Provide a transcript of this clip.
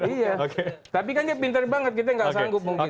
iya tapi kan dia pintar banget kita nggak sanggup mungkin